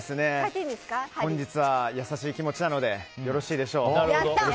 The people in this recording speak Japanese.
本日は優しい気持ちなのでよろしいでしょう。